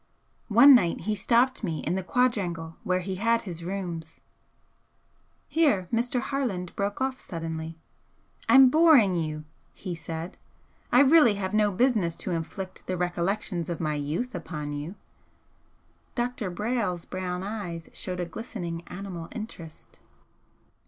One night he stopped me in the quadrangle where he had his rooms " Here Mr. Harland broke off suddenly. "I'm boring you," he said "I really have no business to inflict the recollections of my youth upon you." Dr. Brayle's brown eyes showed a glistening animal interest.